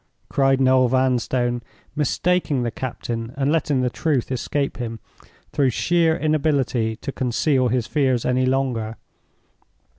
cried Noel Vanstone, mistaking the captain, and letting the truth escape him through sheer inability to conceal his fears any longer.